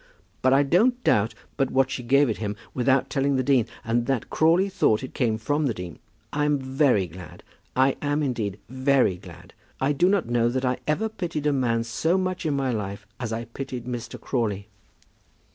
"But I don't doubt but what she gave it him without telling the dean, and that Crawley thought it came from the dean. I'm very glad. I am, indeed, very glad. I do not know that I ever pitied a man so much in my life as I have pitied Mr. Crawley."